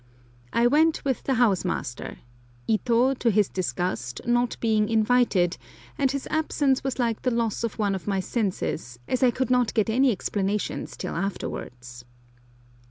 I went with the house master, Ito, to his disgust, not being invited, and his absence was like the loss of one of my senses, as I could not get any explanations till afterwards.